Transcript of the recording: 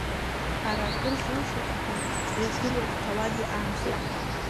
Ара акыр зылшоз ҳәан ирдыруаз ҭауади-аамсҭеи ракәын.